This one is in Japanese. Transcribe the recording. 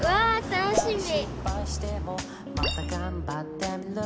楽しみ。